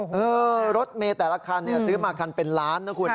รถเมย์แต่ละคันซื้อมาคันเป็นล้านนะคุณ